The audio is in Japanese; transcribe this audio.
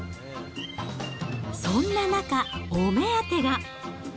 そんな中、お目当てが。